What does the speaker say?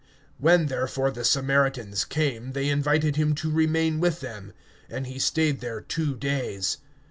(40)When therefore the Samaritans came to him, they besought him to remain with them. And he remained there two days.